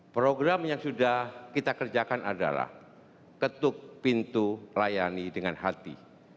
program yang sudah kita kerjakan adalah ketuk pintu layani dengan hati